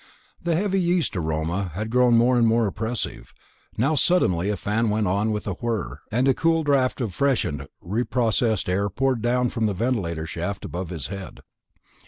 The heavy yeast aroma had grown more and more oppressive; now suddenly a fan went on with a whir, and a cool draft of freshened reprocessed air poured down from the ventilator shaft above his head.